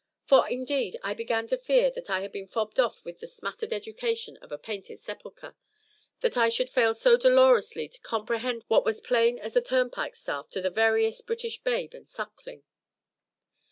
For, indeed, I began to fear that I had been fobbed off with the smattered education of a painted sepulchre, that I should fail so dolorously to comprehend what was plain as a turnpike staff to the veriest British babe and suckling!